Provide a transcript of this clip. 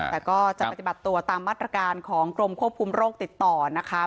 แต่ก็จะปฏิบัติตัวตามมาตรการของกรมควบคุมโรคติดต่อนะคะ